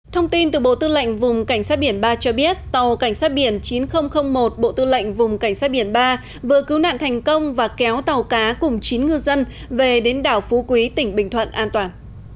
thông tin từ bộ tư lệnh vùng cảnh sát biển ba cho biết tàu cảnh sát biển chín nghìn một bộ tư lệnh vùng cảnh sát biển ba vừa cứu nạn thành công và kéo tàu cá cùng chín ngư dân về đến đảo phú quý tỉnh bình thuận an toàn